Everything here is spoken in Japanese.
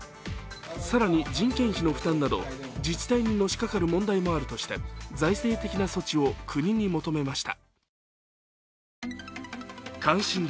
更に人件費の負担など、自治体にのしかかる問題もあるとして財政的な措置を国に求めました。